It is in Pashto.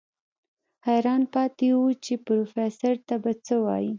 حيران پاتې و چې پروفيسر ته به څه وايي.